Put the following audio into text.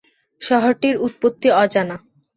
শহরটির উৎপত্তি অজানা।